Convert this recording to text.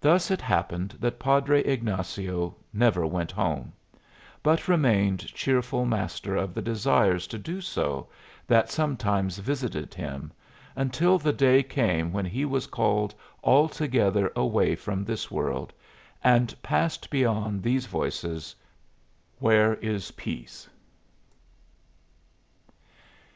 Thus it happened that Padre Ignazio never went home, but remained cheerful master of the desires to do so that sometimes visited him, until the day came when he was called altogether away from this world, and "passed beyond these voices, where is peace."